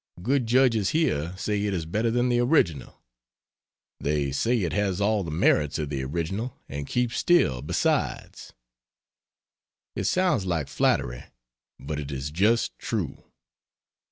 Good judges here say it is better than the original. They say it has all the merits of the original and keeps still, besides. It sounds like flattery, but it is just true.